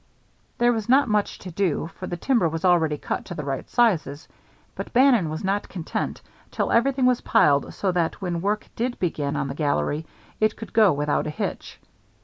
There was not much to do, for the timber was already cut to the right sizes, but Bannon was not content till everything was piled so that when work did begin on the gallery it could go without a hitch.